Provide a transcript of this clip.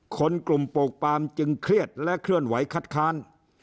คนกลุ่มปลูกปามจึงเครียดและเคลื่อนไหวคัดค้าน